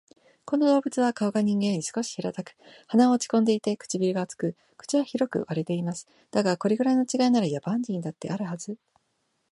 この動物は顔が人間より少し平たく、鼻は落ち込んでいて、唇が厚く、口は広く割れています。だが、これくらいの違いなら、野蛮人にだってあるはず